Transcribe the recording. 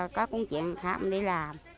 có công chuyện khác mình đi làm